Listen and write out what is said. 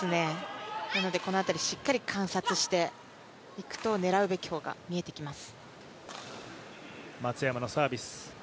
なので、この辺りしっかり観察していくと、狙うべき方が見えてきます。